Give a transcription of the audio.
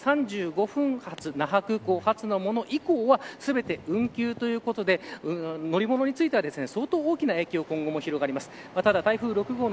そしてモノレール１０時３５分発那覇空港発のもの以降は全て運休ということで乗り物については、相当大きな影響が今後も広がります。